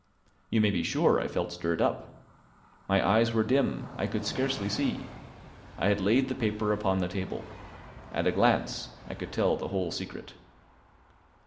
You may be sure I felt stirred up. My eyes were dim, I could scarcely see. I had laid the paper upon the table. At a glance I could tell the whole secret.